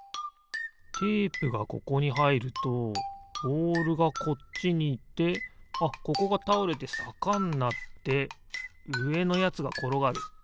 テープがここにはいるとボールがこっちにいってあっここがたおれてさかになってうえのやつがころがる。